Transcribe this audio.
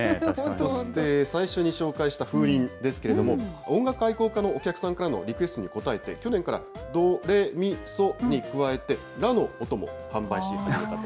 そして最初に紹介した風鈴ですけれども、音楽愛好家のお客さんからのリクエストに応えて、去年からドレミソに加えて、ラの音も販売し始めたと。